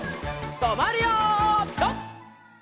とまるよピタ！